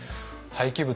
廃棄物。